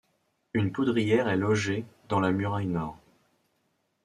Une poudrière est logée dans la muraille nord.